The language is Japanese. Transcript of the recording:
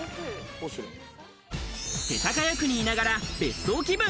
世田谷区にいながら別荘気分。